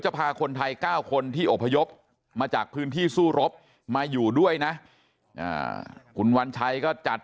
พาคนไทย๙คนที่อบพยพมาจากพื้นที่สู้รบมาอยู่ด้วยนะคุณวัญชัยก็จัด